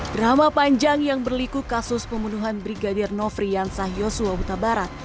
drama panjang yang berliku kasus pembunuhan brigadir nofriansa yoso hota barat